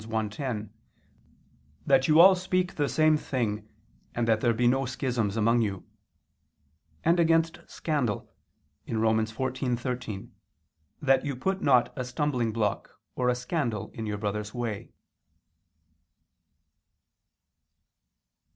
1:10): "That you all speak the same thing, and that there be no schisms among you"; and against scandal (Rom. 14:13): "That you put not a stumbling block or a scandal in your brother's way."